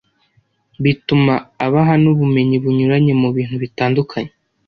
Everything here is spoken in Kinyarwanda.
bituma abaha n'ubumenyi bunyuranye mu bintu bitandukanye